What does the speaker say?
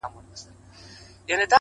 ورته ښېراوي هر ماښام كومه؛